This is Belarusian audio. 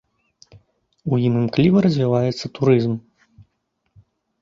У ім імкліва развіваецца турызм.